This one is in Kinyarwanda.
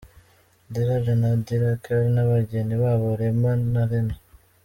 Dilraj na Dilkar n'abageni babo Reema na Reena.